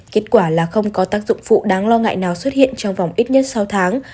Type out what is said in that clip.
kết quả là không có tác dụng phụ đáng lo ngại nào xuất hiện trong vòng ít nhất sáu tháng